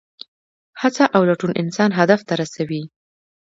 هڅه او لټون انسان هدف ته رسوي.